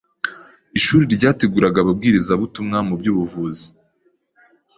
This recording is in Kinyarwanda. Ishuri ryateguraga Ababwirizabutumwa mu by’Ubuvuzi